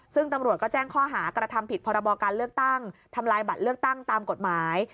ซึ่งตำรวจก็แจ้งข้อหากระทำผิดพรบการเลือกตั้งทำลายบัตรเลือกตั้งตามกฎหมาย